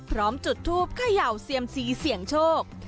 พร้อมจุดทูปเขย่าเสี่ยมซีเสียงโชค